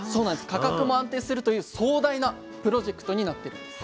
価格も安定するという壮大なプロジェクトになってるんです。